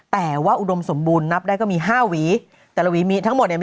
แต่ว่าอุดมสมบูรณ์นับได้ก็มี๕หวี